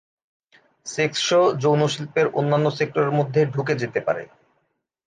Sex show যৌন শিল্পের অন্যান্য সেক্টরের মধ্যে ঢুকে যেতে পারে।